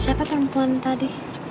siapa perempuan tadi